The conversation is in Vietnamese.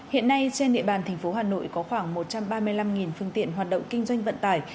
hiện nay trên địa bàn tp hà nội có khoảng một trăm ba mươi năm phương tiện hoạt động kinh doanh vận tải